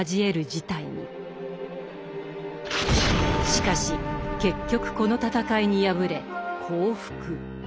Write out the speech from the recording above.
しかし結局この戦いに敗れ降伏。